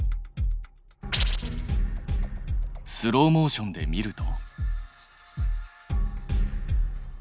スローモーションで見ると。